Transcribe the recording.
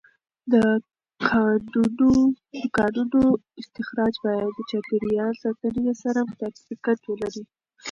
د کانونو استخراج باید د چاپېر یال ساتنې سره مطابقت ولري.